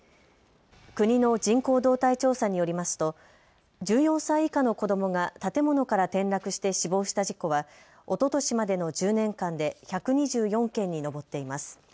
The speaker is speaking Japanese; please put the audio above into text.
国の人口動態調査によりますと１４歳以下の子どもが建物から転落して死亡した事故はおととしまでの１０年間で１２４件に上っています。